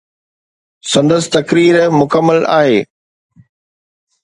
سندس تقرير مڪمل آهي